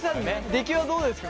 出来はどうですか？